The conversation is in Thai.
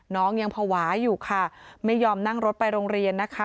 น้องยังภาวะอยู่ค่ะไม่ยอมนั่งรถไปโรงเรียนนะคะ